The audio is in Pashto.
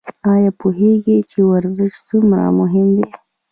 ایا پوهیږئ چې ورزش څومره مهم دی؟